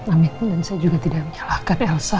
amitmen dan saya juga tidak menyalahkan elsa